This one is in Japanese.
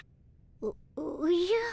おおじゃ。